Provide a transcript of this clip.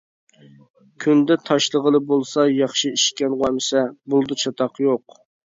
كۈندە تاشلىغىلى بولسا ياخشى ئىشكەنغۇ ئەمىسە، بولىدۇ چاتاق يوق.